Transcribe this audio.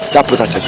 cabut aja tuh